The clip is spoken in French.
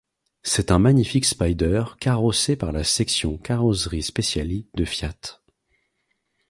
C'est un magnifique Spider carrossé par la Section Carrozzerie Speciali de Fiat.